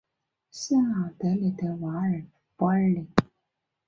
圣昂德雷德瓦尔博尔尼。